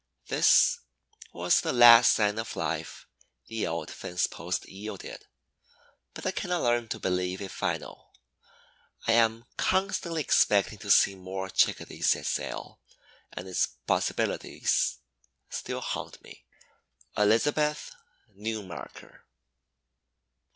This was the last sign of life the old fence post yielded, but I cannot learn to believe it final. I am constantly expecting to see more Chickadees set sail, and its possibilities still haunt me. Elizabeth Nunemacher.